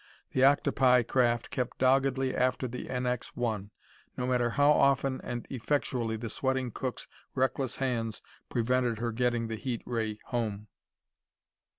The octopi craft kept doggedly after the NX 1, no matter how often and effectually the sweating cook's reckless hands prevented her getting the heat ray home.